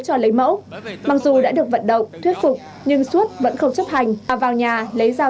cho lấy mẫu mặc dù đã được vận động thuyết phục nhưng suốt vẫn không chấp hành mà vào nhà lấy dao